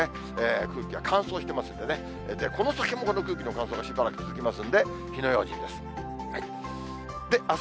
空気が乾燥してますんでね、この先もこの空気の乾燥がしばらく続きますんで、火の用心です。